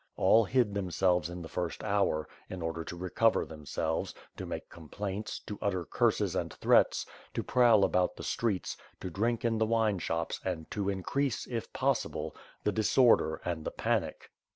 AH hid themselves in the first hour, in order to re cover themselves, to make complaints, to utter curses and threats, to pro^vl about the streets, to drink in the wineshops and to increase, if possible, the disorder and the panic.